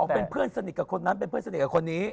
เป็นเพื่อนสนิทกับคนนั้นเป็นเพื่อนสนิทกับคนนี้